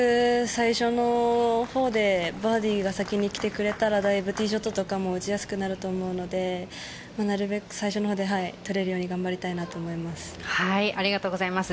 最初の方でバーディーが先に来てくれたらだいぶティーショットとか打ちやすくなると思うので最初の方で取れるようにありがとうございます。